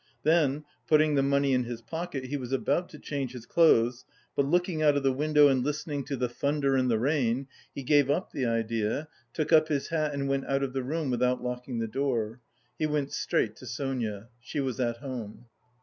Then, putting the money in his pocket, he was about to change his clothes, but, looking out of the window and listening to the thunder and the rain, he gave up the idea, took up his hat and went out of the room without locking the door. He went straight to Sonia. She was at home.